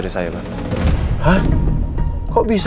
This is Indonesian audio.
iya ya bagus